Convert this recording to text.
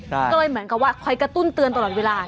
ก็เลยเหมือนกับว่าคอยกระตุ้นเตือนตลอดเวลา